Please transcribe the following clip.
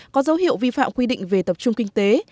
có dấu hiệu vi phạm quy định về tập trung kinh tế